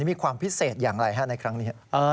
มีความพิเศษอย่างไรในครั้งนี้